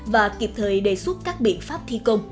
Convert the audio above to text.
và kịp thời đề xuất các biện pháp thi công